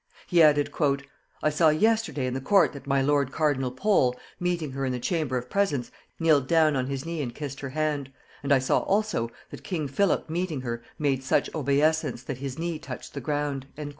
He added, "I saw yesterday in the court that my lord cardinal Pole, meeting her in the chamber of presence, kneeled down on his knee and kissed her hand; and I saw also, that king Philip meeting her made her such obeisance that his knee touched the ground."